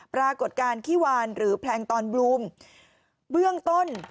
ปรากฏการณ์ขี้วานหรือแพลงตอนบลูมเบื้องต้น